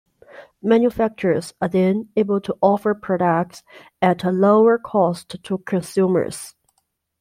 Manufacturers are then able to offer products at a lower cost to consumers.